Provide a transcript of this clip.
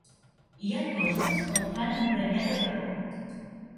Hi ha coses que el fan emprenyar de debò.